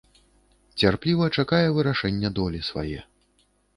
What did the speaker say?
Цярпліва чакае вырашэння долі свае.